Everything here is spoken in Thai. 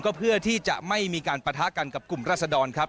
เพื่อที่จะไม่มีการปะทะกันกับกลุ่มราศดรครับ